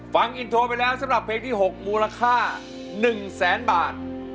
ฟังอินโทรไปแล้วสำหรับเพลงที่๖มูลค่า๑แสนบาท